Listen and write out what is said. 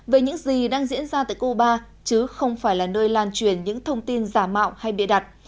về những gì đang diễn ra tại cuba chứ không phải là nơi lan truyền những thông tin giả mạo hay bịa đặt